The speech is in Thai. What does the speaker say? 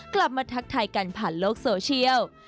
กลับมาทักทายกันผ่านโลกโซเชียล